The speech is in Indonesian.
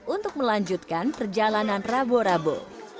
untuk melanjutkan perjalanan rabo rabo